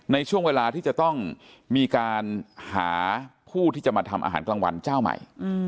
ในช่วงเวลาที่จะต้องมีการหาผู้ที่จะมาทำอาหารกลางวันเจ้าใหม่